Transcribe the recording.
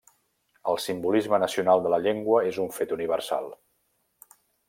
El simbolisme nacional de la llengua és un fet universal.